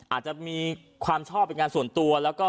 อาจจะมีความชอบเป็นการส่วนตัว